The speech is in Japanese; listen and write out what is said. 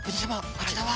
こちらは。